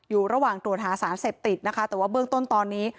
อยู่ระหว่างตรวจหาสารเสพติดนะคะแต่ว่าเบื้องต้นตอนนี้